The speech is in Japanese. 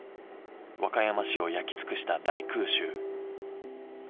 和歌山市を焼き尽くした大空襲